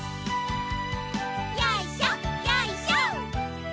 よいしょよいしょ。